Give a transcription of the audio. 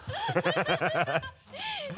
ハハハ